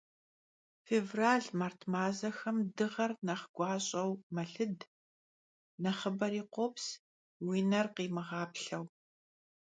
Fêvral, mart mazexem dığer nexh guaş'eu melıd, nexhıberi khops, vui ner khimığaplheu.